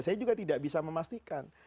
saya juga tidak bisa memastikan